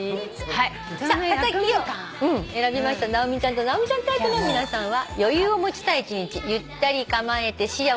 さあ「たたき」を選びました直美ちゃんと直美ちゃんタイプの皆さんは。